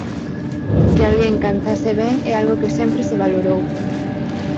Que alguén cantase ben é algo que sempre se valorou.